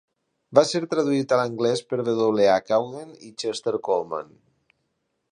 Va ser traduït a l'anglès per W. H. Auden i Chester Kallman.